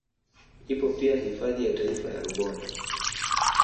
Ipo pia hifadhi ya taifa ya Rubondo